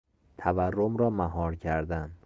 تورم را مهار کردن